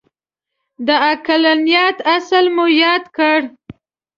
د عقلانیت اصل مو یاد کړ.